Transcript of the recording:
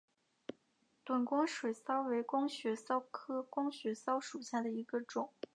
短光水蚤为光水蚤科光水蚤属下的一个种。